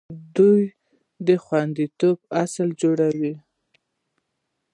دوی د خوندیتوب اصول جوړوي.